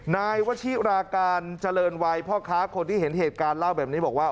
นายวชิราการเจริญวัยพ่อค้าคนที่เห็นเหตุการณ์เล่าแบบนี้บอกว่า